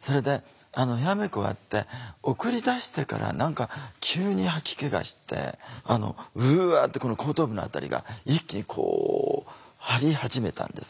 それでヘアメイク終わって送り出してから何か急に吐き気がしてあのうわってこの後頭部の辺りが一気にこう張り始めたんです。